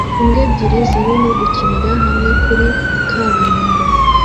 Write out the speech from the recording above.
Imbwa ebyiri zirimo gukinira hamwe kuri kaburimbo